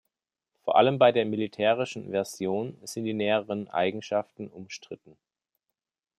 Vor allem bei der militärischen Version sind die näheren Eigenschaften umstritten.